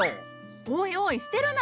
おいおい捨てるな！